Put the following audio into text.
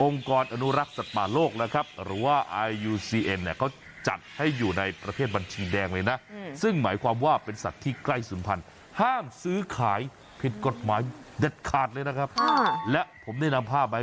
องค์กรอนุรักษณ์สัตว์ปลาโลกนะครับ